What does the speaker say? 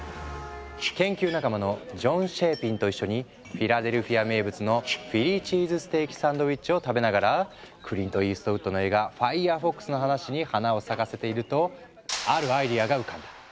研究仲間のジョン・シェーピンと一緒にフィラデルフィア名物のフィリー・チーズステーキ・サンドイッチを食べながらクリント・イーストウッドの映画「ファイヤーフォックス」の話に花を咲かせているとあるアイデアが浮かんだ。